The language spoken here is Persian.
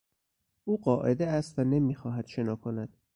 او قاعده است و نمیخواهد شنا کند.